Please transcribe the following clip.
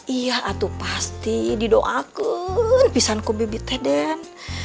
iya atuh pasti didoakan pisanku bibitnya den